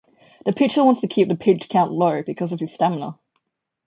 The pitcher wants to keep the pitch count low because of his stamina.